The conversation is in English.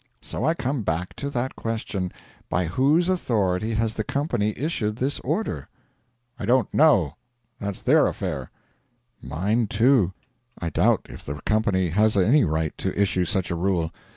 So I come back to that question: By whose authority has the company issued this order?' 'I don't know. That's their affair.' 'Mine, too. I doubt if the company has any right to issue such a rule.